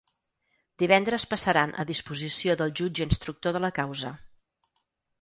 Divendres passaran a disposició del jutge instructor de la causa.